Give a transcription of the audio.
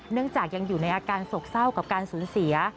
เนื่องจากยังอยู่ในอาการโศกเศร้ากับการสูญเสีย